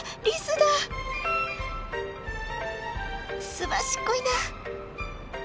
すばしっこいな。